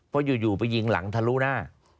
เพราะอยู่ไปยิงหลังทะลุหน้า